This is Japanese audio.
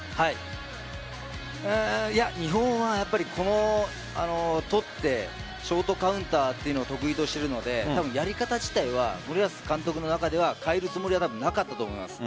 日本は、やっぱり取ってショートカウンターというのを得意としているのでやり方自体は森保監督の中では変えるつもりはなかったと思います。